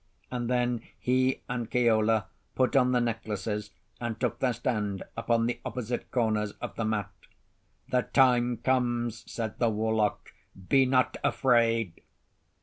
And then he and Keola put on the necklaces and took their stand upon the opposite corners of the mat. "The time comes," said the warlock; "be not afraid."